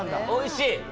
おいしい！